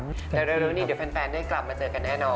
เดี๋ยวเร็วนี้เดี๋ยวแฟนได้กลับมาเจอกันแน่นอน